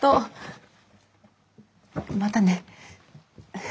またね。